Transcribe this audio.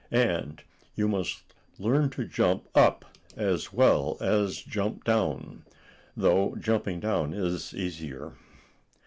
And you must learn to jump up as well as jump down, though jumping down is easier."